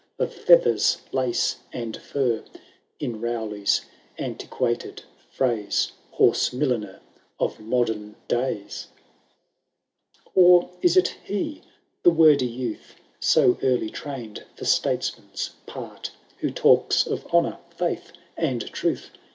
Of feathers, lace, and fur : In Rowley^s antiquated phrase, Hone miUiner ^ of modem days ? IV. Or is it he, the wordy youth, So early trained for statesman^ part. Who talks of honour, faith, and truth.